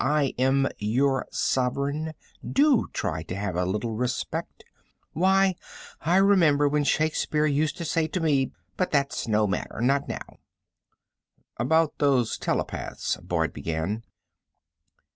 I am your sovereign. Do try to have a little respect. Why, I remember when Shakespeare used to say to me but that's no matter, not now." "About those telepaths " Boyd began.